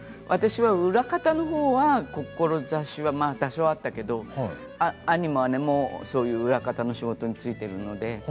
裏方の志は多少あったけど兄も姉もそういう裏方の仕事に就いているので。